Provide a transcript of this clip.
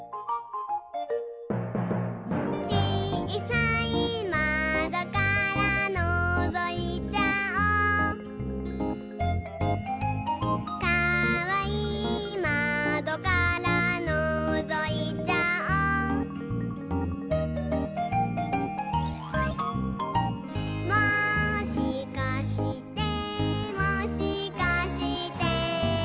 「ちいさいまどからのぞいちゃおう」「かわいいまどからのぞいちゃおう」「もしかしてもしかして」